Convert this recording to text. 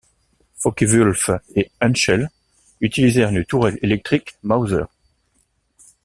Focke-Wulf et Henschel utilisèrent une tourelle électrique Mauser.